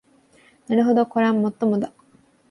なるほどこりゃもっともだ